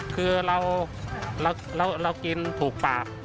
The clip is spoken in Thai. คือเรากินถูกปาก